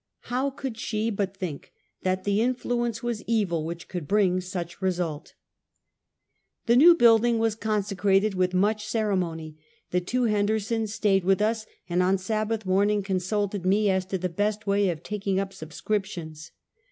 How could she but think that the influence was evil which could bring such result? The new building was coiisecrated with much cere mony. The two Hendersoiis staid with us, and on Sabbath morning consulted me as to the best way of taking up subscriptions.